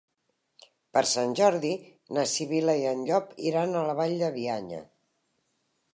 Per Sant Jordi na Sibil·la i en Llop iran a la Vall de Bianya.